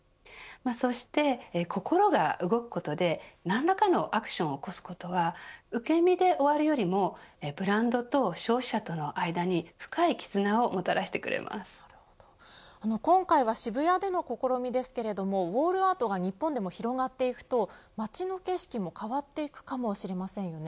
そして心が動くことで何らかのアクションを起こすことが受け身で終わるよりもブランドと消費者との間に今回は渋谷での試みですけどもウォールアートが日本でも広がっていくと街の景色も変わっていくかもしれませんよね。